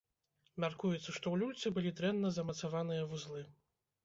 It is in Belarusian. Мяркуецца, што ў люльцы былі дрэнна замацаваныя вузлы.